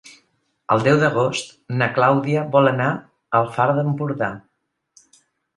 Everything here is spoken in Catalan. El deu d'agost na Clàudia vol anar al Far d'Empordà.